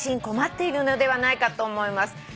困っているのではないかと思います」